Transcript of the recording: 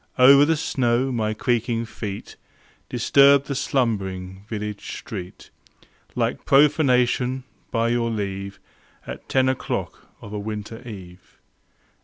Over the snow my creaking feet Disturbed the slumbering village street Like profanation, by your leave, At ten o'clock of a winter eve.